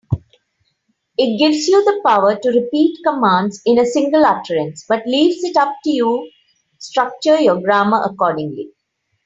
It gives you the power to repeat commands in a single utterance, but leaves it up to you structure your grammar accordingly.